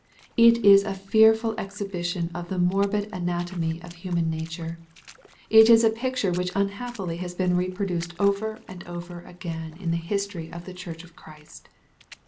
It is a fearful exhi bition of the morbid anatomy of human nature. It is a picture which unhappUy has been reproduced over and over again in the history of the Church of Christ.